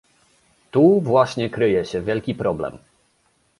Tu właśnie kryje się wielki problem